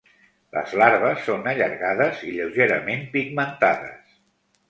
Les larves són allargades i lleugerament pigmentades.